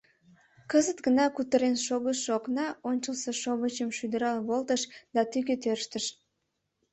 Кызыт гына кутырен шогышо окна ончылсо шовычым шӱдырал волтыш да тӱгӧ тӧрштыш.